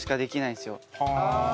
ああ。